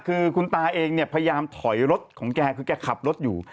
คือคุณตาเองเนี่ยพยายามถอยรถของแกคือแกขับรถอยู่